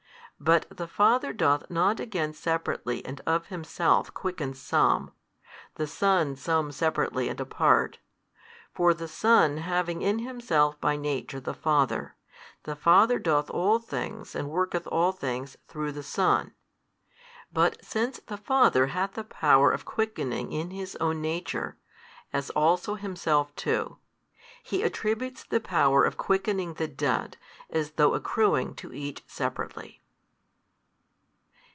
But the Father doth not again separately and of Himself quicken some, the Son some separately and apart: for the Son having in Himself by Nature the Father, the Father doth all things and worketh all things through the Son. But since the Father hath the Power of quickening in His Own Nature, as also Himself too, He attributes the Power of quickening the dead as though accruing to each separately.